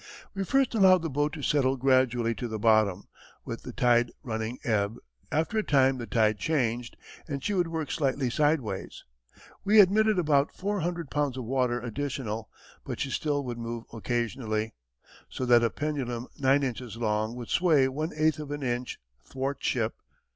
We first allowed the boat to settle gradually to the bottom, with the tide running ebb; after a time the tide changed, and she would work slightly sideways; we admitted about four hundred pounds of water additional, but she still would move occasionally, so that a pendulum nine inches long would sway one eighth of an inch (thwartship).